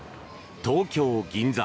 東京・銀座。